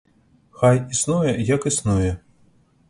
Хай існуе, як існуе.